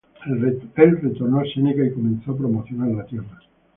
Él retornó a Seneca y comenzó a promocionar la tierra.